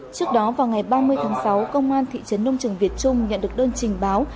trước đó vào ngày ba mươi tháng sáu công an thị trấn nông trường việt trung nhận được đơn trình báo